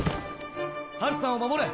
ハルさんを守れ！